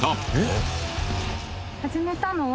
始めたのは。